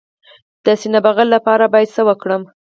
د سینه بغل لپاره باید څه وکړم؟